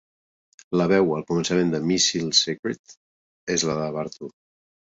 La veu al començament de "Missile Secret" és la de Bartu.